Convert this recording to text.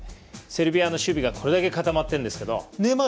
セルビアの守備がこれだけ固まっています。